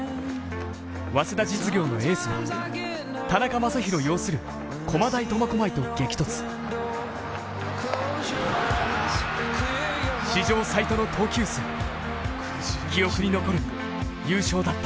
早稲田実業のエースは田中将大擁する駒大苫小牧と激突史上最多の投球数、記憶に残る優勝だった。